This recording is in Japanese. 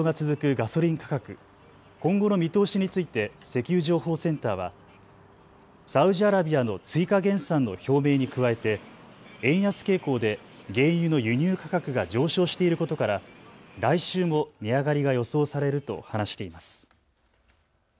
ガソリン価格、今後の見通しについて石油情報センターはサウジアラビアの追加減産の表明に加えて円安傾向で原油の輸入価格が上昇していることから来週も値上がりが予想されると話しています。